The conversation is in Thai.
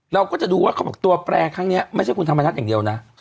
เราก็จะดูว่าเขาบอกตัวแปลครั้งนี้ไม่ใช่คุณธรรมนัฐอย่างเดียวนะ